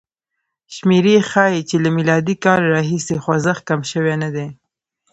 شمېرې ښيي چې له م کال راهیسې خوځښت کم شوی نه دی.